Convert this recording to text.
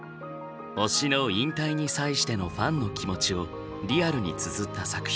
推しの引退に際してのファンの気持ちをリアルにつづった作品。